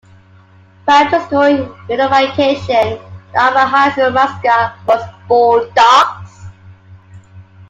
Prior to school unification, the Arma High School mascot was Bulldogs.